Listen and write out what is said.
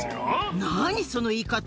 その言い方！